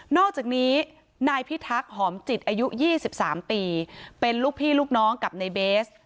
อกจากนี้นายพิทักษ์หอมจิตอายุ๒๓ปีเป็นลูกพี่ลูกน้องกับในเบส